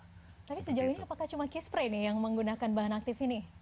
tapi sejauh ini apakah cuma key spray nih yang menggunakan bahan aktif ini